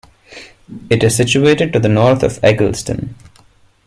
It is situated to the north of Eggleston.